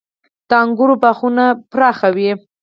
• د انګورو باغونه پراخ وي.